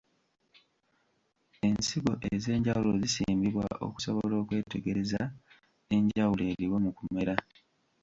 Ensigo ez’enjawulo zisimbibwa okusobola okwetegereza enjawulo eriwo mu kumera.